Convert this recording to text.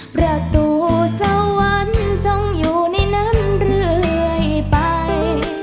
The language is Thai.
ประตูสวรรค์จงอยู่ในนั้นเรื่อยไป